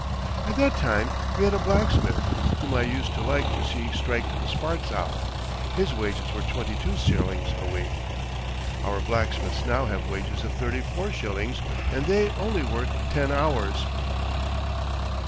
At that time we had a blacksmith, whom I used to like to see strike the sparks out. His wages were twenty two shillings a week. Our blacksmiths now have wages of thirty four shillings, and they only work ten hours."